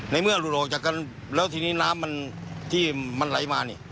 ในเมื่อหลุดออกจากกันแล้วทีนี้น้ำมันที่มันไหลมานี่